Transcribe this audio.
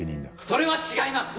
それは違います！